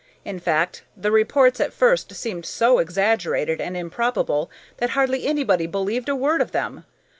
In fact, the reports at first seemed so exaggerated and improbable that hardly anybody believed a word of them.